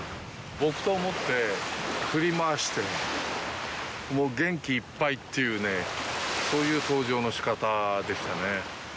木刀を持って振り回して、もう元気いっぱいというね、そういう登場の仕方でしたね。